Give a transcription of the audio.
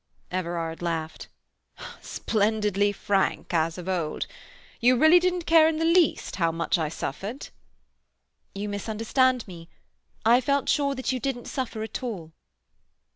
Everard laughed. "Splendidly frank, as of old. You really didn't care in the least how much I suffered?" "You misunderstand me. I felt sure that you didn't suffer at all."